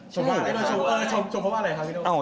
ชมเพราะอะไรครับพี่โต๊ะ